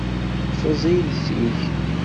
Ffeẓ iles-ik!